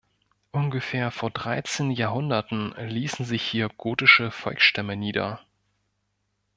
Ungefähr vor dreizehn Jahrhunderten ließen sich hier gotische Volksstämme nieder.